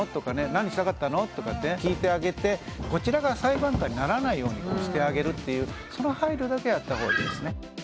「何したかったの？」とか聞いてあげてこちらが裁判官にならないようにしてあげるっていうその配慮だけはやったほうがいいですね。